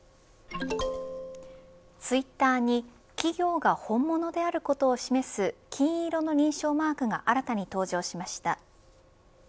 ツイッターに企業が本物であることを示す金色の認証マークが新たに登場しました。